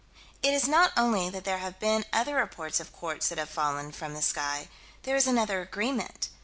It is not only that there have been other reports of quartz that has fallen from the sky; there is another agreement.